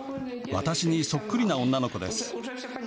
私にそっくりな女の子です。